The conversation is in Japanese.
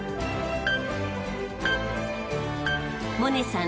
［百音さん